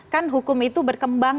kan hukum itu berkembang